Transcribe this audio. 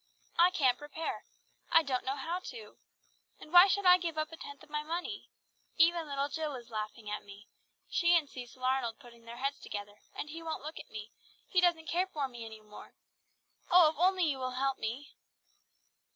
I can't prepare. I don't know how to. And why should I give up a tenth of my money? even little Jill is laughing at me she and Cecil Arnold putting their heads together, and he won't look at me, he doesn't care for me any more. Oh, if only you will help me!"